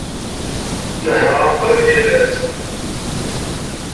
Nehhṛeɣ qrib yal ass.